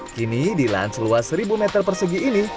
kini di lans luas seribu meter persegi ini